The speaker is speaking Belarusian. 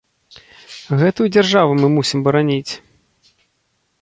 Гэтую дзяржаву мы мусім бараніць?